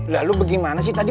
lalu bagaimana sih tadi